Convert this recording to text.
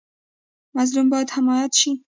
مظلوم باید حمایت شي